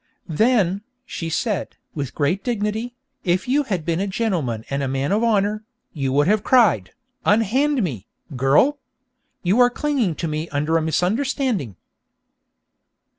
'Then,' she said, with great dignity, 'if you had been a gentleman and a man of honour, you would have cried, "Unhand me, girl! You are clinging to me under a misunderstanding!"'